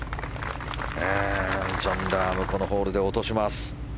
ジョン・ラームこのホールで落とします。